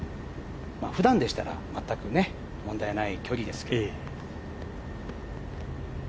ふだんでしたら、全く問題ない距離ですけど。